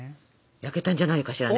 焼けたんじゃないかしらね。